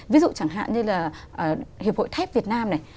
ví dụ chẳng hạn như là hiệp hội thép việt nam này